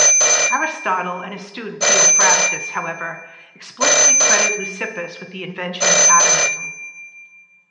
Aristotle and his student Theophrastus, however, explicitly credit Leucippus with the invention of Atomism.